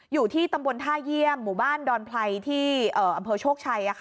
อยู่ที่ตำบลท่าเยี่ยมหมู่บ้านดอนไพรที่อำเภอโชคชัย